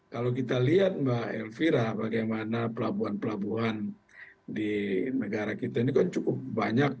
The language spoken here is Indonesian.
kalau kita lihat mbak elvira bagaimana pelabuhan pelabuhan di negara kita ini kan cukup banyak